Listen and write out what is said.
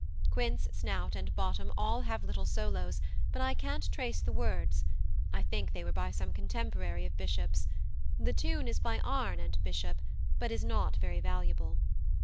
Quince, Snout, and Bottom all have little solos, but I can't trace the words I think they were by some contemporary of Bishop's; the tune is by Arne and Bishop, but is not very valuable.